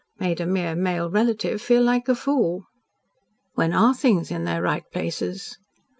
Made a mere male relative feel like a fool." "When ARE things in their right places?"